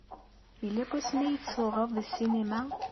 Yella wasmi ay tsuɣeḍ deg ssinima?